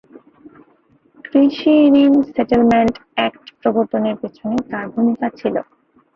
কৃষি ঋণ settlement act প্রবর্তনের পেছনে তাঁর ভূমিকা ছিল।